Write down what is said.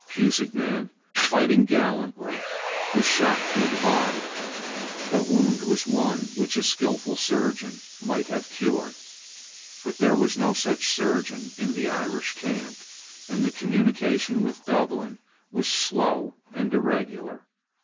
Pusignan, fighting gallantly, was shot through the body. The wound was one which a skilful surgeon might have cured: but there was no such surgeon in the Irish camp; and the communication with Dublin was slow and irregular.